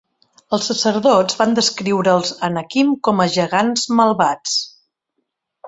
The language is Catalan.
Els sacerdots van descriure els Anakim com a gegants malvats.